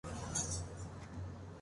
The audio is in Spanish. Eran tres hermanos.